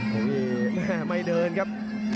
โบวี่ไม่เดินครับ